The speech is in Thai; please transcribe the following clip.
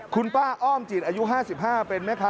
คุณป้าอ้อมจิตอายุ๕๕เป็นแม่ค้า